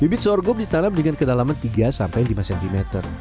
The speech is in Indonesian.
bibit sorghum ditanam dengan kedalaman tiga sampai lima cm